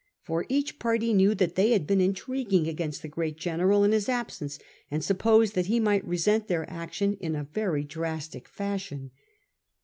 For each party knew that they had been intriguing against the great general in his absence, and supposed that he might resent their action in a very drastic fashion.